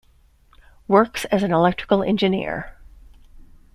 Works as an electrical engineer.